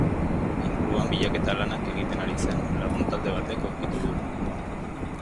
Inguruan bilaketa lanak egiten ari zen lagun-talde batek aurkitu du gorpua.